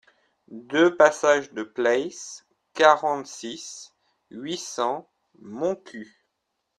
deux passage de Pleysse, quarante-six, huit cents, Montcuq